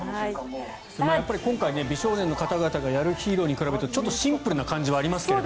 今回美少年の方々がやるヒーローに比べるとちょっとシンプルな感じはありますけど。